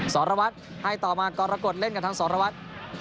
สอรวัสให้ต่อมากรกฎเล่นกันทั้งสอรวัส